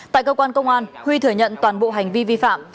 tại cơ quan công an huy thừa nhận toàn bộ hành vi vi phạm